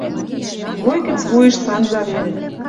Вуй гӹц вуйыш транза вел.